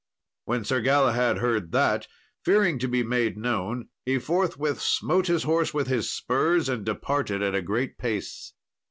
When Sir Galahad heard that, fearing to be made known, he forthwith smote his horse with his spurs, and departed at a great pace.